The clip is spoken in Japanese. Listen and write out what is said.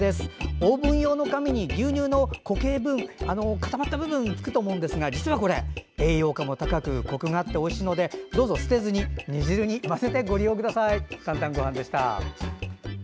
オーブン用の紙に牛乳の固形分がつくことがあるんですが実はこれ、栄養価も高くこくがあっておいしいので捨てずに煮汁に混ぜてください。